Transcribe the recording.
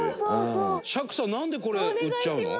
釈さんなんでこれ売っちゃうの？